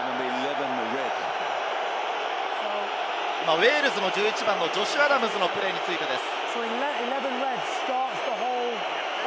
ウェールズの１１番、ジョシュ・アダムズについてです。